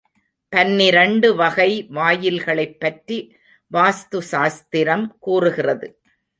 பன்னிரெண்டு வகை வாயில்களைப் பற்றி வாஸ்து சாஸ்திரம் கூறுகிறது.